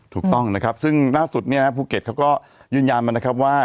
ถูกต้องนะครับซึ่งหน้าสุดภูเก็ตยึดยานมานะครับว่า